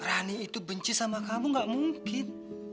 berani itu benci sama kamu gak mungkin